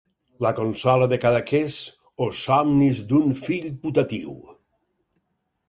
La consola de Cadaqués o somnis d'un fill putatiu...